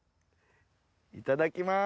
いただきます。